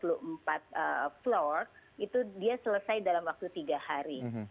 kalau di tower itu dia selesai dalam waktu tiga hari